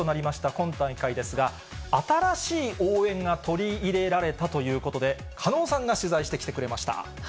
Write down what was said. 今大会ですが、新しい応援が取り入れられたということで狩野さんが取材してきてくれました。